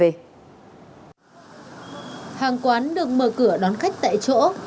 hàng quán được mở cửa đón khách tại chỗ